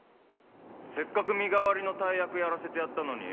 せっかく身代わりの大役やらせてやったのによ